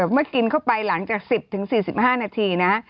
เมื่อกินเข้าไปหลังจาก๑๐๔๕นาทีนะฮะ